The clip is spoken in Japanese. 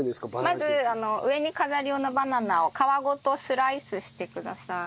まず上に飾る用のバナナを皮ごとスライスしてください。